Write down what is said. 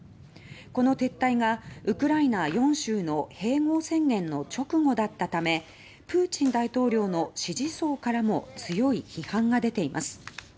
この撤退がウクライナ４州の併合宣言の直後だったためプーチン大統領の支持層からも強い批判が出ています。